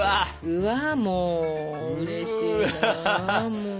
うわもううれしいなもう。